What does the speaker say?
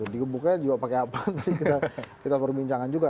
digebuknya juga pakai apa kita perbincangan juga